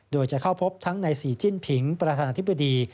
โดยจะเข้าพบทั้งในศรีจิ้นผิงประธานาธิบดี